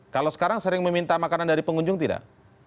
kalau sekarang sering meminta makanan dari pengunjung tidak